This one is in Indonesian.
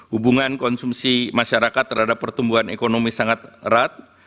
hubungan konsumsi masyarakat terhadap pertumbuhan ekonomi sangat erat